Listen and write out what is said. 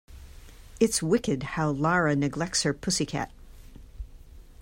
It's wicked how Lara neglects her pussy cat.